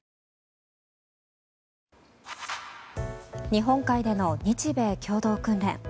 日本海での日米共同訓練。